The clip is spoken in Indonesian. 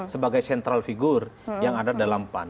sebagai sentral figure yang ada dalam pan